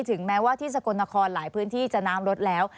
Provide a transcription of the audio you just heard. ถึงแม้ว่าที่สกลนครหลายพื้นที่จะน้ำลดแล้ว